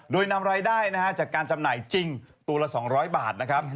โดยนำรายได้จากการจำหน่ายจริงตัวละ๒๐๐บาทนะครับ